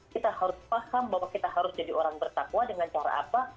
kita harus paham bahwa kita harus jadi orang bertakwa dengan cara apa